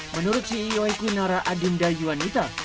menurut ceo equinara adinda yuanita